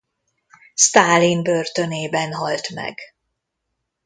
Sztálin börtönében halt meg.